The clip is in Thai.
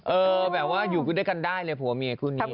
แบบว่าอยู่ด้วยกันได้เลยผัวเมียคู่นี้